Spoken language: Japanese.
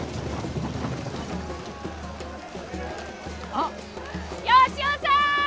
あっ吉雄さん！